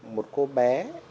một cô bé